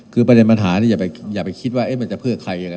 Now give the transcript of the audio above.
คือประเด็นปัญหานี้อย่าไปคิดว่ามันจะเพื่อใครยังไง